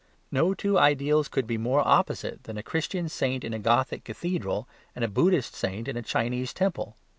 No two ideals could be more opposite than a Christian saint in a Gothic cathedral and a Buddhist saint in a Chinese temple.